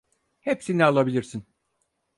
Hepsini alabilirsin.